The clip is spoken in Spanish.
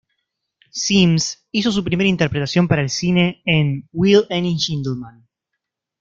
Sims hizo su primera interpretación para el cine en "Will Any Gentleman?